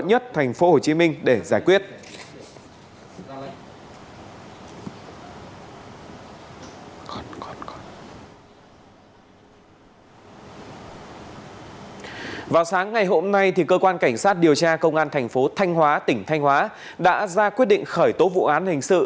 ngày hôm nay cơ quan cảnh sát điều tra công an tp thanh hóa tỉnh thanh hóa đã ra quyết định khởi tố vụ án hình sự